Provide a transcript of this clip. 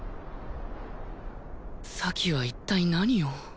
咲は一体何を？